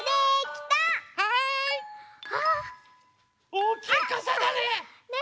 おおきいかさだね。